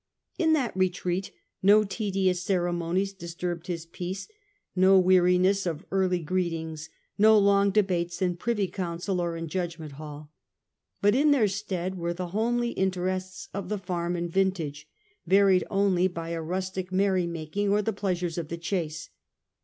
In that retreat no tedious ceremonies disturbed his peace, no weariness of early greetings, no long debates in privy council or in judgment hall ; but in their stead were the homely interests of the farm and vintage, varied only by a rustic merry making or the pleasures of the chase.